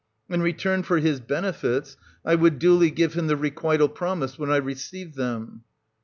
In return for his benefits, I would duly give him the requital promised when I received them.